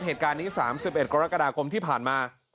เหตุการณ์นี้๓๑กรกฎาคมที่ผ่านมา